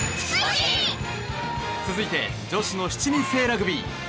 続いて女子の７人制女子ラグビー。